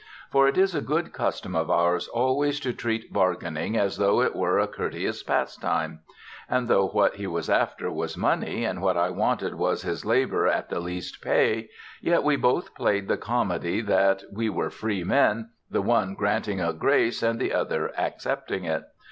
For it is a good custom of ours always to treat bargaining as though it were a courteous pastime; and though what he was after was money, and what I wanted was his labor at the least pay, yet we both played the comedy that we were free men, the one granting a grace and the other accepting it.